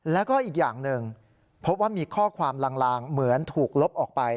แล้วก็อีกอย่างหนึ่งพบว่ามีข้อความลางเหมือนถูกลบออกไป